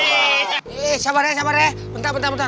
eh sabar ya bentar bentar bentar